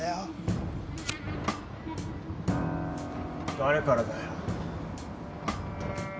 誰からだよ？